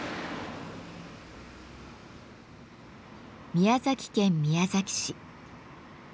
宮崎県宮崎市。